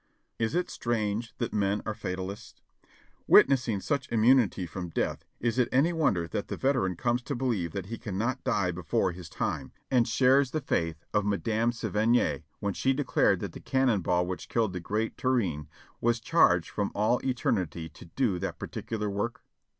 Is it strange that men are fatalists? Witnessing such immu nity from death, is it any wonder that the veteran comes to be lieve that he cannot die before his time, and shares the faith of Madame de Sevigne when she declared that the cannon ball which killed the great Turenne was charged from all eternity to do that particular work?